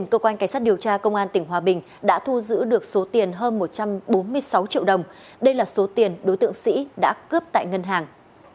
cơ quan cảnh sát điều tra công an tỉnh hòa bình đã thu giữ được số tiền hơn một trăm bốn mươi sáu triệu đồng đây là số tiền đối tượng sĩ đã cướp tại ngân hàng